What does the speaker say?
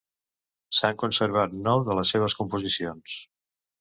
S'han conservat nou de les seves composicions.